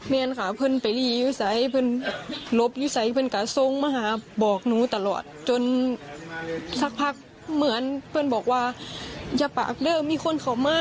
เธอจะส่งน้อยมาตำนานให้เอาทหารเขามา